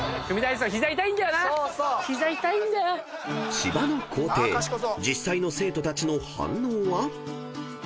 ［芝の校庭実際の生徒たちの反応は？］